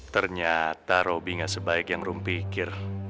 ternyata robby gak sebaik yang rum pikir